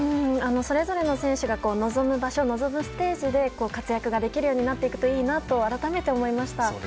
それぞれの選手が臨む場所臨むステージで活躍ができるようになっていくといいなと改めて思いました。